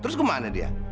terus kemana dia